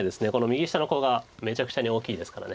右下のコウがめちゃくちゃに大きいですから。